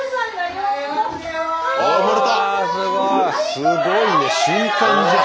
すごいね瞬間じゃん！